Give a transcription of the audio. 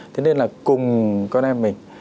thế nên là cùng con em mình